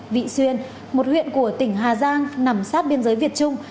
vị xuyên một huyện của tỉnh hà giang nằm sát biên giới việt trung